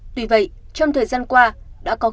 tuy vậy trong thời gian qua